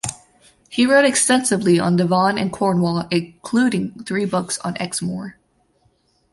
He wrote extensively on Devon and Cornwall including three books on Exmoor.